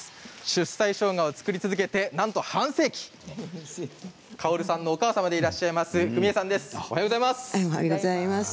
出西しょうがを作り続けてなんと半世紀薫さんのお母様でいらっしゃいます文江さんです。